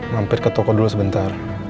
mampir ke toko dulu sebentar